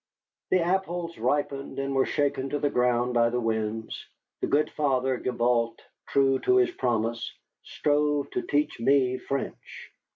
The apples ripened, and were shaken to the ground by the winds. The good Father Gibault, true to his promise, strove to teach me French.